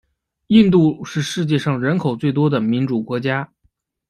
印度是世界上人口最多的民主国家。